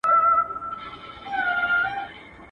هم بېحده رشوت خوره هم ظالم وو.